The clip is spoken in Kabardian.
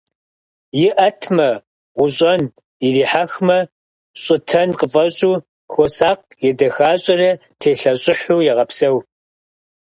ИӀэтмэ, гъущӀэн, ирихьэхмэ, щӀытэн къыфэщӀу, хуосакъ, едэхащӀэрэ телъэщӀыхьу егъэпсэу.